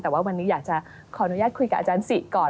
แต่ว่าวันนี้อยากจะขออนุญาตคุยกับอาจารย์ศิก่อน